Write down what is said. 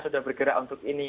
sudah bergerak untuk ini